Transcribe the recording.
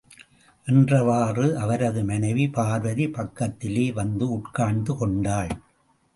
என்றவாறு அவரது மனைவி பார்வதி, பக்கத்திலே வந்து உட்கார்ந்து கொண்டாள்.